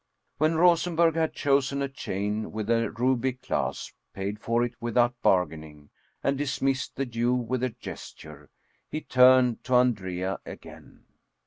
When Rosenberg had chosen a chain with a ruby clasp, paid for it without bargaining, and dismissed the Jew with a gesture, he turned to Andrea again.